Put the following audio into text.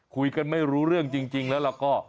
คุยกันไม่รู้เรื่องจริงแล้วก็